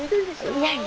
いやいや。